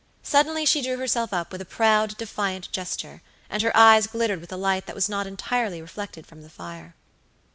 Suddenly she drew herself up with a proud, defiant gesture, and her eyes glittered with a light that was not entirely reflected from the fire.